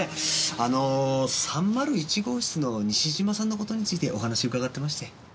あの３０１号室の西島さんの事についてお話伺ってまして。